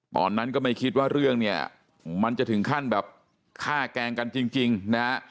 ตอนนั้นก็ไม่คิดว่าเรื่องเนี่ยมันจะถึงขั้นแบบฆ่าแกล้งกันจริงนะฮะ